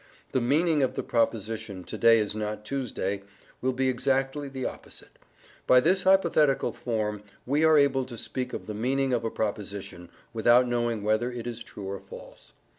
The "meaning" of the proposition "to day is not Tuesday" will be exactly the opposite. By this hypothetical form we are able to speak of the meaning of a proposition without knowing whether it is true or false.